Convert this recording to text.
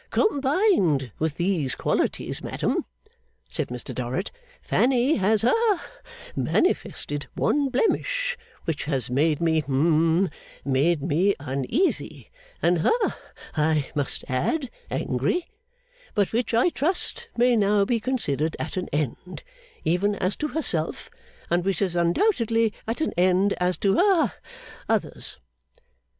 'Combined with these qualities, madam,' said Mr Dorrit, 'Fanny has ha manifested one blemish which has made me hum made me uneasy, and ha I must add, angry; but which I trust may now be considered at an end, even as to herself, and which is undoubtedly at an end as to ha others.